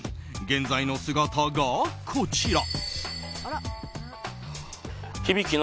現在の姿が、こちら。